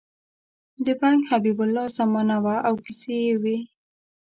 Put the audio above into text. د بنګ حبیب الله زمانه وه او کیسې یې وې.